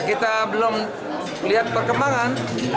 kita belum lihat perkembangan